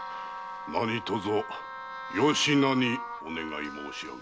何とぞよしなにお願い申し上げる。